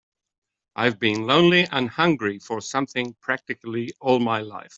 I've been lonely and hungry for something practically all my life.